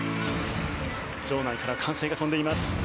場内から歓声が飛んでいます。